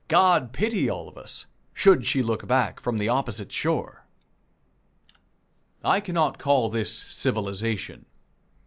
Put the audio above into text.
God pity all of us, Should she look back from the opposite shore!" I cannot call this civilization.